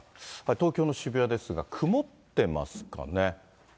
東京の渋谷ですが、曇ってますかね。